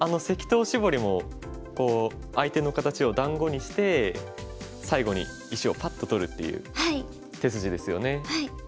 石塔シボリもこう相手の形を団子にして最後に石をパッと取るっていう手筋ですよね。